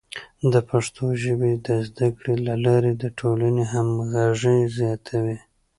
د پښتو ژبې د زده کړې له لارې د ټولنې همغږي زیاتوي.